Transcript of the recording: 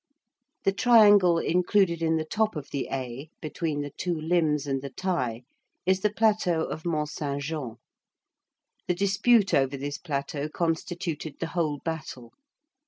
The triangle included in the top of the A, between the two limbs and the tie, is the plateau of Mont Saint Jean. The dispute over this plateau constituted the whole battle.